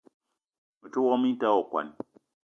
Me te wok minta ayi okwuan vi.